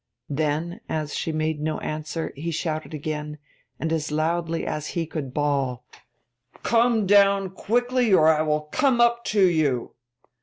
Then, as she made no answer, he shouted again, and as loudly as he could bawl: 'Come down quickly, or I will come up to you!'